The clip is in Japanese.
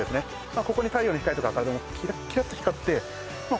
ここに太陽の光とか当たるとキラッキラッと光ってまあ